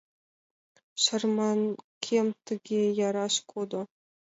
Шарманкем тыге яраш кодо...